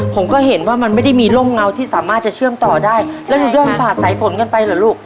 ผมก็เห็นว่ามันไม่ได้มีร่มเงาที่สามารถจะเชื่อมต่อได้แล้วหนูเดินฝ่าสายฝนกันไปเหรอลูก